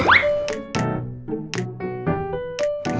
gak ada masalah apa apa